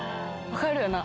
分かるよな？